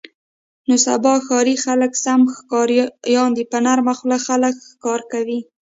نن سبا ښاري خلک سم ښکاریان دي. په نرمه خوله خلک ښکار کوي.